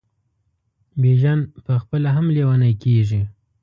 بیژن پخپله هم لېونی کیږي.